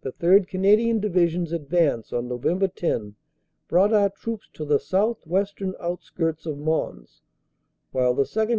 "The 3rd. Canadian Division s advance on Nov. 10 brought our troops to the southwestern outskirts of Mons, while the 2nd.